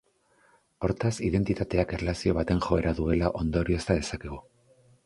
Hortaz, identitateak erlazio baten joera duela ondoriozta dezakegu.